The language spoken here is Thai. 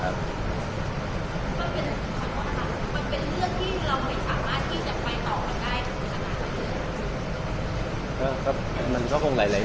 มันเป็นเรื่องที่เราสามารถยังไม่รู้ได้ต่อได้